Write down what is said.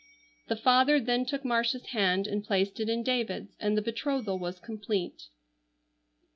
The father then took Marcia's hand and placed it in David's, and the betrothal was complete.